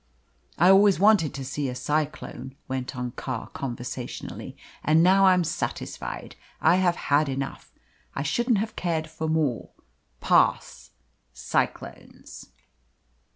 "I always wanted to see a cyclone," went on Carr conversationally, "and now I'm satisfied. I have had enough. I shouldn't have cared for more. Pass, cyclones!"